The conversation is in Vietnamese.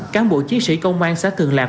cáng bộ chiến sĩ công an xã thường lạc